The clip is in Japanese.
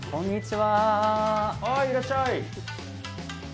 ・はいいらっしゃい！